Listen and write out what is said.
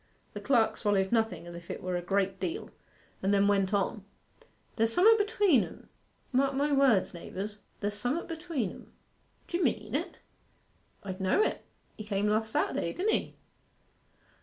The clerk swallowed nothing as if it were a great deal, and then went on, 'There's some'at between 'em: mark my words, naibours there's some'at between 'em.' 'D'ye mean it?' 'I d' know it. He came last Saturday, didn't he?